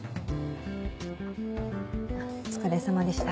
お疲れさまでした。